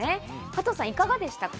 加藤さん、いかがでしたか？